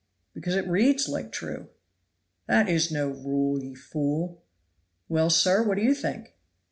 "Because it reads like true." "That is no rule, ye fool." "Well, sir, what do you think?"